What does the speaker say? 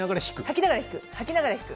吐きながら引く。